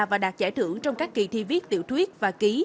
và đạt giải thưởng trong các kỳ thi viết tiểu thuyết và ký